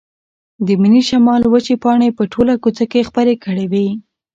د مني شمال وچې پاڼې په ټوله کوڅه کې خپرې کړې وې.